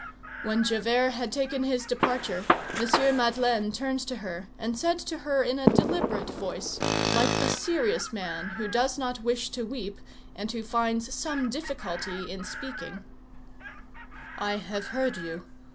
When Javert had taken his departure, M. Madeleine turned to her and said to her in a deliberate voice, like a serious man who does not wish to weep and who finds some difficulty in speaking:— "I have heard you.